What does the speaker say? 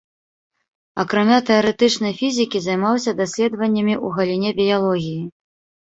Акрамя тэарэтычнай фізікі, займаўся даследаваннямі ў галіне біялогіі.